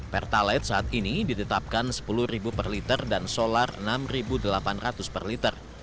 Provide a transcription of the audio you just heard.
pertalite saat ini ditetapkan rp sepuluh per liter dan solar rp enam delapan ratus per liter